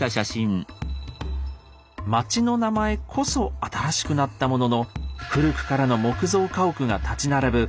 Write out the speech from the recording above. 町の名前こそ新しくなったものの古くからの木造家屋が立ち並ぶ